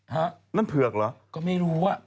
ฮะนั่นเผือกเหรอก็ไม่รู้อ่ะ